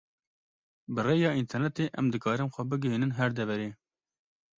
Bi rêya internetê em dikarin xwe bigihînin her deverê.